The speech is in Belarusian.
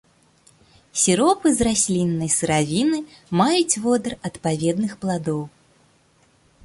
Сіропы з расліннага сыравіны маюць водар адпаведных пладоў.